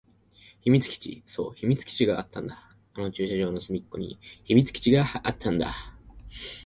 秘密基地。そう、秘密基地があったんだ。あの駐車場の隅っこに秘密基地があったんだ。